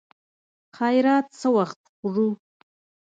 خيرات څه وخت خورو.